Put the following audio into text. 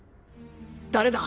誰だ！